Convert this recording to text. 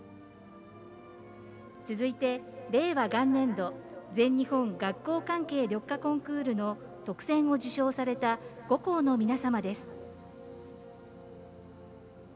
続いて、令和元年度「全日本学校関係緑化コンクール」の特選を受賞された５校の皆様です。